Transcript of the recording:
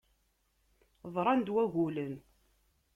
Ḍran-d wagulen.